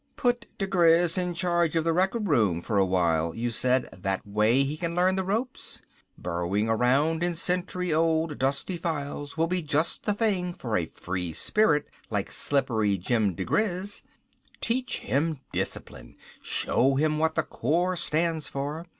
"Put diGriz in charge of the record room for a while, you said, that way he can learn the ropes. Burrowing around in century old, dusty files will be just the thing for a free spirit like Slippery Jim diGriz. Teach him discipline. Show him what the Corps stands for.